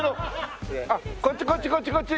こっちこっちこっちこっち。